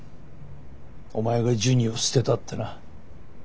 お前がジュニを捨てたってな。